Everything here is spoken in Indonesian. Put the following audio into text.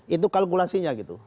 itu kalkulasinya gitu